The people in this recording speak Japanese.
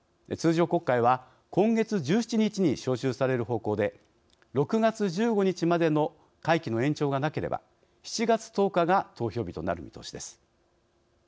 通常国会は今月１７日に召集される方向で６月１５日までの会期の延長がなければ７月１０日が投票日となる見通しです。